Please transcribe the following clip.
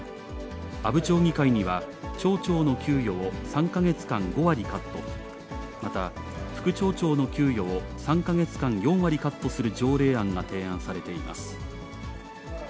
阿武町議会には、町長の給与を３か月間５割カット、また、副町長の給与を３か月間４割カットする条例案が提案されています。